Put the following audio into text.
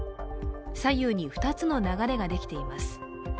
左右に２つの流れができています。